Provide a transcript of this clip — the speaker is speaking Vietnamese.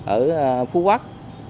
ở phú quốc